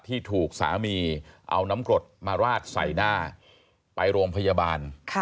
ที่ถูกสามีเอาน้ำกรดมาราดใส่หน้าไปโรงพยาบาล